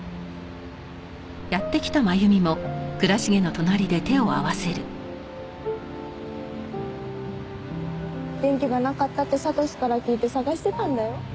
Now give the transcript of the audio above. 元気がなかったって悟史から聞いて捜してたんだよ。